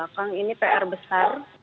di belakang ini pr besar